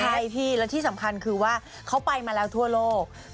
ใช่พี่และที่สำคัญคือว่าเขาไปมาแล้วทั่วโลก